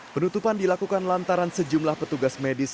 penutupan dilakukan lantaran sejumlah petugas medis